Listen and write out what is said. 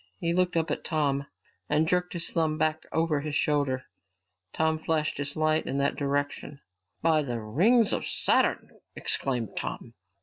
He looked up at Tom and jerked his thumb back over his shoulder. Tom flashed his light in that direction. "By the rings of Saturn!" exclaimed Tom.